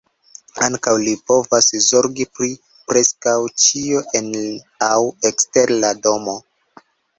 Ankaŭ li povas zorgi pri preskaŭ ĉio en aŭ ekster la domo.